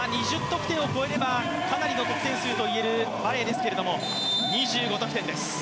２０得点を超えればかなりの得点数と言えるバレーですけれども２５得点です。